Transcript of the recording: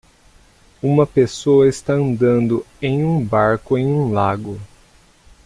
Uma pessoa está andando em um barco em um lago.